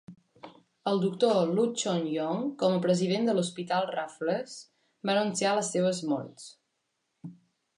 El doctor Loo Choon Yong, com a president de l'Hospital Raffles, va anunciar les seves morts.